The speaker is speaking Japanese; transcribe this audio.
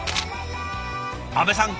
阿部さん